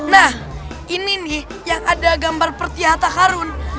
nah ini nih yang ada gambar pertiah harta karun